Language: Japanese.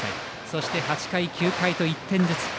そして８回、９回と１点ずつ。